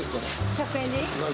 １００円でいい？